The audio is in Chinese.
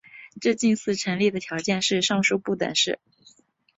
这近似成立的条件是上述不等式。